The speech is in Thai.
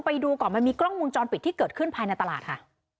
ไปดูก่อนมันมีกล้องมุมจรปิดที่เกิดขึ้นภายในตลาดค่ะ